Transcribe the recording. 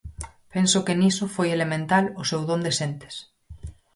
Penso que niso foi elemental o seu don de xentes.